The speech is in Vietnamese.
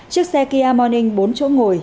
chiếc xe kia morning bốn chỗ ngồi